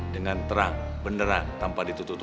dengan terang beneran tanpa ditutupin